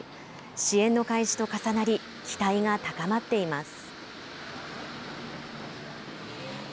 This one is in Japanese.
支援の開始と重なり、期待が高まっています。